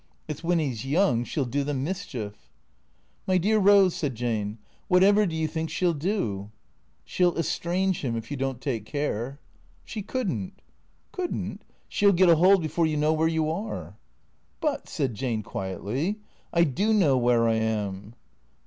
" It 's when 'e 's young she '11 do the mischief." " My dear Eose," said Jane, " whatever do you think she '11 do?" " She '11 estrange 'im, if you don't take care." "She couldn't." " Could n't ? She '11 get a 'old before you know where you are." " But," said Jane quietly, " I do know where I am."